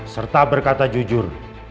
serta berkata jujur